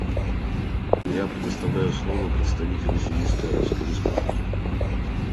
Я предоставляю слово представителю Сирийской Арабской Республики.